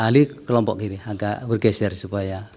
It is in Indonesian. ahli kelompok gini agak bergeser supaya